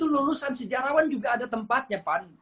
lulusan sejarawan juga ada tempatnya pan